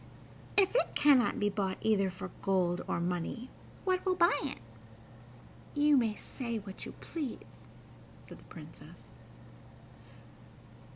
"If it cannot be bought either for gold or money, what will buy it? You may say what you please," said the Princess.